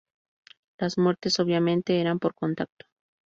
Las muertes, obviamente, eran por contacto.